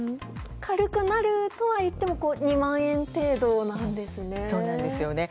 軽くなるとはいっても２万円程度なんですね。